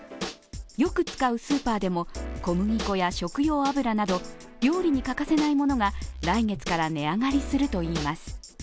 よく使うスーパーでも小麦粉や食用油など料理に欠かせないものが来月から値上がりするといいます。